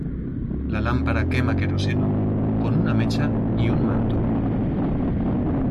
La lámpara quema queroseno con una mecha y un manto.